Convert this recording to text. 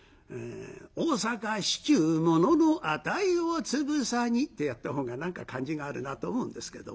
大坂市中物の値をつぶさにってやった方が何か感じがあるなと思うんですけどもね。